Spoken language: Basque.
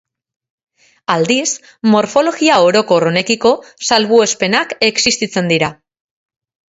Aldiz, morfologia orokor honekiko salbuespenak existitzen dira.